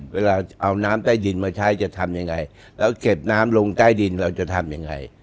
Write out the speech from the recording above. เวลาเอาน้ำใต้ดินมาใช้จะทำยังไงแล้วเก็บน้ำลงใต้ดินเราจะทำยังไง